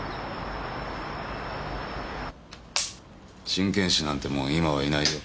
真剣師なんてもう今はいないよ。